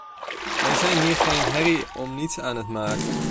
We zijn hier geen herrie om niets aan het maken.